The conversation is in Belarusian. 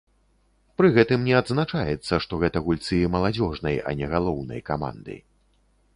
Пры гэтым не адзначаецца, што гэта гульцы маладзёжнай, а не галоўнай каманды.